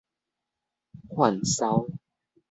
販獀